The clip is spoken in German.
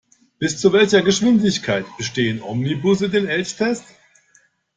Bis zu welcher Geschwindigkeit bestehen Omnibusse den Elchtest?